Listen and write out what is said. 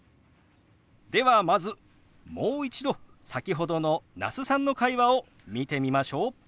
ではまずもう一度先ほどの那須さんの会話を見てみましょう。